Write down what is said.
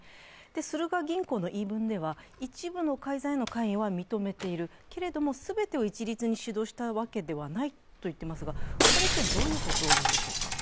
スルガ銀行の言い分では、一部の改ざんへの関与は認めているけれども、全てを一律に主導したわけではないと言っていますが、これってどういうことなんでしょうか？